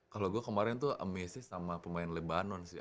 kalo gue kemarin tuh amazes sama pemain lebanon sih